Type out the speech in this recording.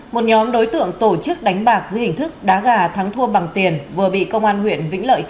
một nhóm đối tượng tổ chức đánh bạc dưới hình thức đá gà thắng thua bằng tiền vừa bị công an huyện vĩnh lợi